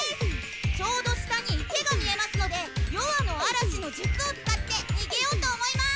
ちょうど下に池が見えますので夜半の嵐の術を使って逃げようと思います！